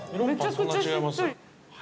そんなに違います？